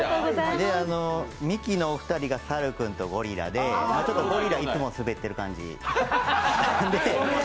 ミキのお二人サル君とゴリラでゴリラはいつもスベってる感じ。